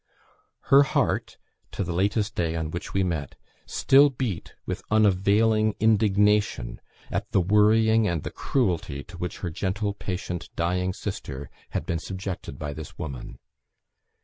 Her heart, to the latest day on which we met, still beat with unavailing indignation at the worrying and the cruelty to which her gentle, patient, dying sister had been subjected by this woman.